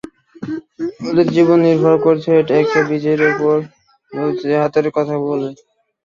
ওদের জীবন নির্ভর করছে একটা বেজির উপর, যে হাতের সাথে কথা বলে।